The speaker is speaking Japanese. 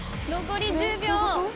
残り１０秒。